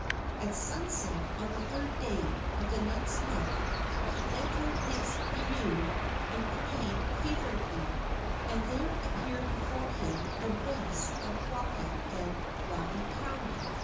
At sunset on the third day of the next month he entered his heiau and prayed fervently, and there appeared before him the wraiths of Waka and Laieikawai.